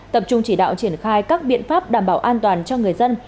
tập trung chỉ đạo triển khai các biện pháp đảm bảo an toàn cho người dân